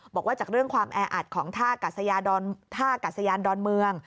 บอกว่าจากเรื่องความแออัดของท่ากัศยานดอนเมือง